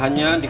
lagi aja pak